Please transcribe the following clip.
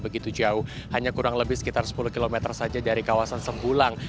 begitu jauh hanya kurang lebih sekitar sepuluh km saja dari kawasan sembulang